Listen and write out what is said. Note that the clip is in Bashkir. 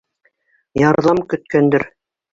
Ярҙам көткәндер.